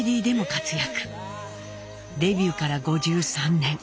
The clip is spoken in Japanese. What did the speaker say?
デビューから５３年